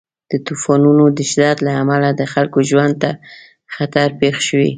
د طوفانونو د شدت له امله د خلکو ژوند ته خطر پېښ شوی.